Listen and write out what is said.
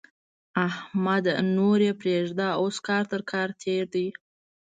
احمده! نور يې پرېږده؛ اوس کار تر کار تېر دی.